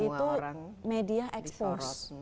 di jakarta itu media ekspor